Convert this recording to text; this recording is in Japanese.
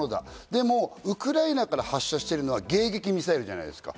でもウクライナから発射しているのは迎撃ミサイルじゃないですか。